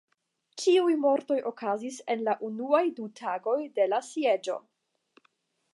Ĉiuj mortoj okazis en la unuaj du tagoj de la sieĝo.